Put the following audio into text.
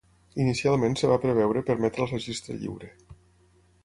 Inicialment es va preveure permetre el registre lliure.